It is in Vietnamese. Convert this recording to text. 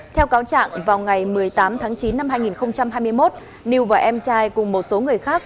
theo cáo trạng vào ngày một mươi tám tháng chín năm hai nghìn hai mươi một liêu và em trai cùng một số người khác